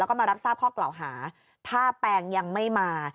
แล้วก็มารับทราบข้อกล่าวหาถ้าแปงยังไม่มา